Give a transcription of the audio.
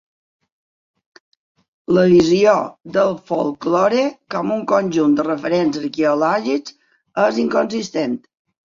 La visió del folklore com un conjunt de referents arqueològics és inconsistent.